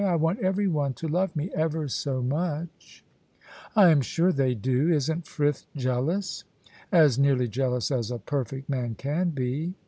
"I want every one to love me, ever so much." "I am sure they do. Isn't Frith jealous?" "As nearly jealous as a perfect man can be."